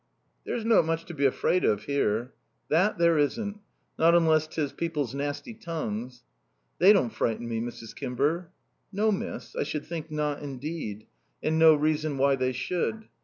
"There's not much to be afraid of here." "That there isn't. Not unless 'tis people's nasty tongues." "They don't frighten me, Mrs. Kimber." "No, miss. I should think not indeed. And no reason why they should."